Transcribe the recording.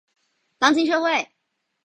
当今社会